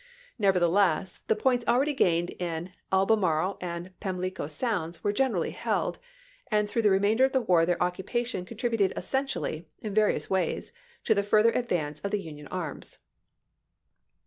Never theless, the points ah'eady gained in Albemarle and Pamlico sounds were generally held, and through the remainder of the war their occupation contrib uted essentially, in various ways, to the further advance of the Union arms.